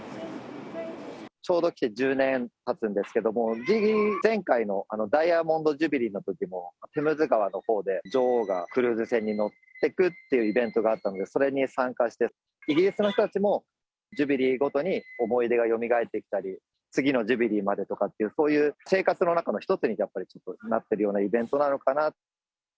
ちょうど来て１０年たつんですけれども、前回のダイヤモンド・ジュビリーのときも、テムズ川のほうで女王がクルーズ船に乗っていくっていうイベントがあったんで、それに参加して、イギリスの人たちもジュビリーごとに、思い出がよみがえってきたり、次のジュビリーまでとかっていう、そういう生活の中の一つにやっぱりなってるようなイベントなのか